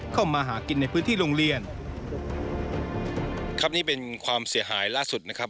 เข้ามาหากินในพื้นที่โรงเรียนครับนี่เป็นความเสียหายล่าสุดนะครับ